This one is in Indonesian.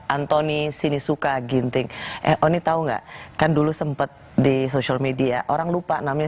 anthony sinisuka ginting eoni tahu enggak kan dulu sempet di sosial media orang lupa namanya